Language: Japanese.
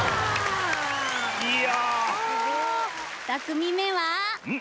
２組目は。